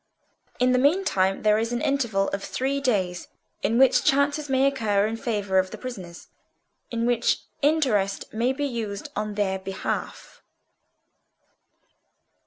In the meantime there is an interval of three days, in which chances may occur in favour of the prisoners—in which interest may be used on their behalf."